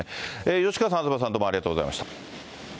吉川さん、東さん、どうもありがとうございました。